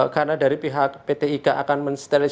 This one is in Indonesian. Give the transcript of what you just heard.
karena dari pihak pt ika akan mensterilis